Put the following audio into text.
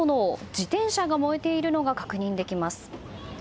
自転車が燃えているのが確認できます。